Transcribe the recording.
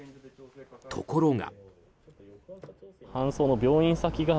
ところが。